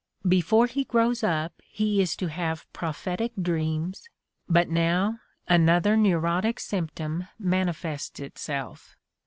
Before he grows up he is to have prophetic dreams, but now another neurotic sjnnptom manifests itself.